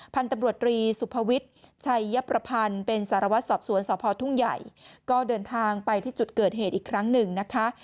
พันธุ์ตำรวจตรีสุภวิทย์ชัยยประพันธ์เป็นสารวัตรสอบสวนสพทุ่งใหญ่ก็เดินทางไปที่จุดเกิดเหตุอีกครั้งหนึ่งนะคะ